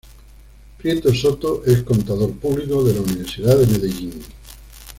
Prieto Soto es Contador Público de la Universidad de Medellín.